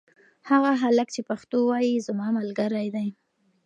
هغه هلک چې پښتو وايي زما ملګری دی.